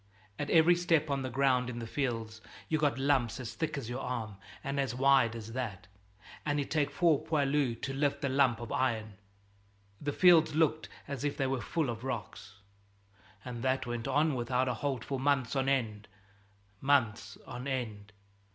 At every step on the ground in the fields you'd got lumps as thick as your arm and as wide as that, and it'd take four poilus to lift the lump of iron. The fields looked as if they were full of rocks. And that went on without a halt for months on end, months on end!"